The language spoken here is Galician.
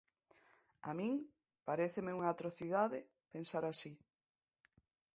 A min paréceme unha atrocidade pensar así.